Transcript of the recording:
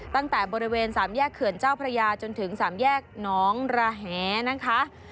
ตั้งแต่บริเวณสามแยกเขื่อนเจ้าพระยาจนถึงสามแยกน้องระแหนะคะ